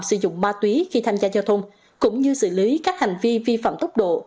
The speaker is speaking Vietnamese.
sử dụng ma túy khi tham gia giao thông cũng như xử lý các hành vi vi phạm tốc độ